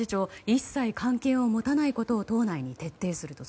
一切関係を持たないことを党内に徹底すると。